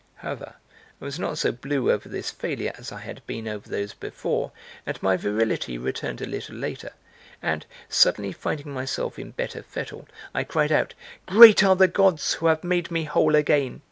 (However, I was not so blue over this failure as I had been over those before, and my virility returned a little later and, suddenly finding myself in better fettle I cried out,) "Great are the gods who have made me whole again!